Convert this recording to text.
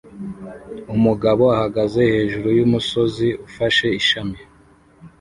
Umugabo ahagaze hejuru yumusozi ufashe ishami